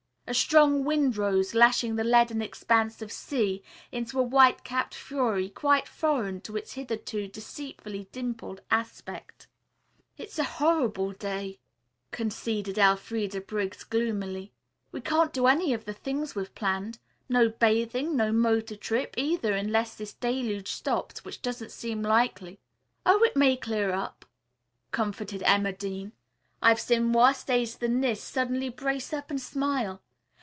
A strong wind rose, lashing the leaden expanse of sea into a white capped fury quite foreign to its hitherto deceitfully dimpled aspect. "It's a horrible day," conceded Elfreda Briggs gloomily. "We can't do any of the things we've planned. No bathing, no motor trip, either, unless this deluge stops, which doesn't seem likely." "Oh, it may clear up," comforted Emma Dean. "I've seen worse days than this suddenly brace up and smile.